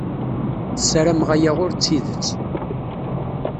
Ssarameɣ aya ur d tidet.